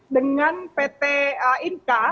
dengan pt inka